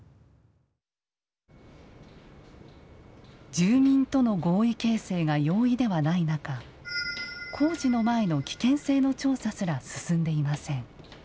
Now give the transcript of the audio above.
住民との合意形成が容易ではない中工事の前の「危険性の調査」すら進んでいません。